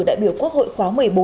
đại biểu quốc hội khóa một mươi bốn